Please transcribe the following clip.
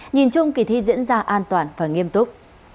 nhìn chung kỳ thi diễn ra an toàn và nghiêm túc